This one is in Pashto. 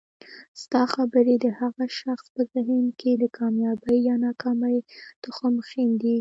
ستا خبري د هغه شخص په ذهن کي د کامیابۍ یا ناکامۍ تخم ښیندي